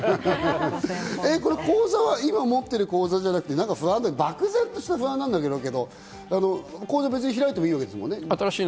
口座は今、持ってる口座じゃなくて、漠然とした不安なんだろうけど、口座を別に開いてもいいわけですよね？